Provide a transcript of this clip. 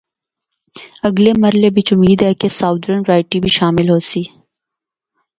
اگلے مرحلے بچ امید ہے کہ ساؤدرن ورائٹی بھی شامل ہوسی۔